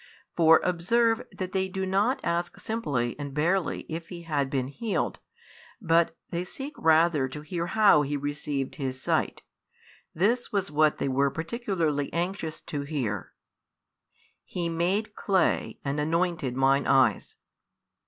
For observe that they do not ask simply and barely if he had been healed, but they seek rather to hear how he received his sight; this was what they were particularly anxious to hear: "He made clay, and anointed mine eyes."